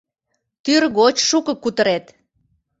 — Тӱргоч шуко кутырет.